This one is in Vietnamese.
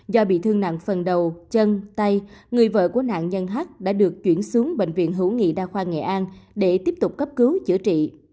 do bị thương nặng phần đầu chân tay người vợ của nạn nhân h đã được chuyển xuống bệnh viện hữu nghị đa khoa nghệ an để tiếp tục cấp cứu chữa trị